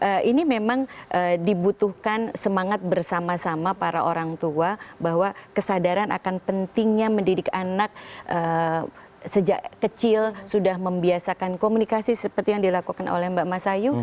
nah ini memang dibutuhkan semangat bersama sama para orang tua bahwa kesadaran akan pentingnya mendidik anak sejak kecil sudah membiasakan komunikasi seperti yang dilakukan oleh mbak mas ayu